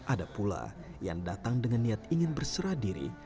ada pula yang datang dengan niat ingin berserah diri